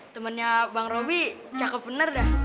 temennya bang roby cakep bener dah